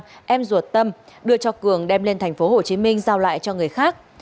sang em ruột tâm đưa cho cường đem lên thành phố hồ chí minh giao lại cho người khác